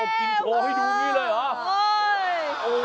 โอไหวที่ดูนี้เลยหรอนี่